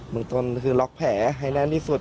เบิกต้นล็อกแผลให้แน่นที่สุด